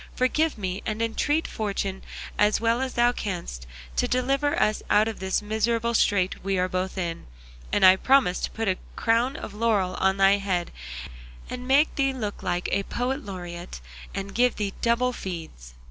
Forgive me, and entreat Fortune, as well as thou canst, to deliver us out of this miserable strait we are both in; and I promise to put a crown of laurel on thy head, and make thee look like a poet laureate, and give thee double feeds."